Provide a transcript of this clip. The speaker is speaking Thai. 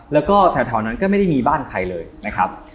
แล้วก็แถวนั้นก็ไม่ได้มีบ้านใครเลยนะครับ